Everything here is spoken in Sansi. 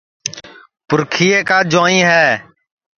پُرکھیئے کا جُوائیں ہے